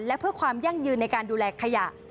และเพื่อความยั่งยืนในการดูแลขยะ